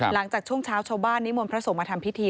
หลังจากช่วงเช้าชาวบ้านนิมนต์พระสงฆ์มาทำพิธี